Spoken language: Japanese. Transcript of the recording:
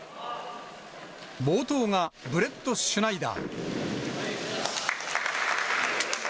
冒頭がブレットシュナイダー。